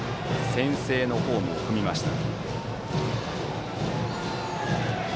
先制のホームを踏みました。